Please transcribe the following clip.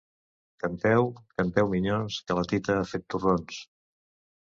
Canteu, canteu minyons, que la tita ha fet torrons!